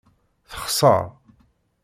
Texṣer.